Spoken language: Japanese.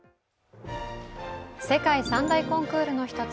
世界三大コンクールの一つ